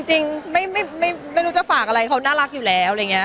จริงไม่รู้จะฝากอะไรเค้าน่ารักอยู่แล้ว